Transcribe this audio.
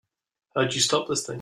How do you stop this thing?